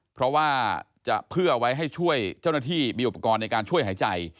เพราะว่าจะเพื่อไว้ให้ช่วยเจ้าหน้าที่มีอุปกรณ์ในการช่วยหายใจ